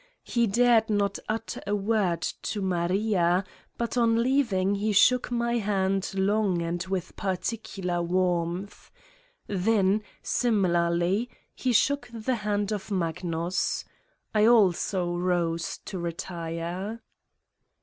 He dared not utter a word to Maria, but on leav ing he shook my hand long and with particular warmth. Then, similarity, he shook the hand of Magnus. I also rose to retire.